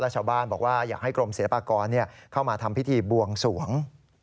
ชาวบ้านบอกว่าอยากให้กรมศิลปากรเข้ามาทำพิธีบวงสวง